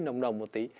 nồng nồng một tí